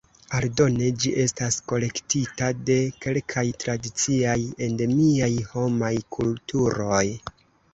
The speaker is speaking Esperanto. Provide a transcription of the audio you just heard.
Aldone, ĝi estas kolektita de kelkaj tradiciaj endemiaj homaj kulturoj.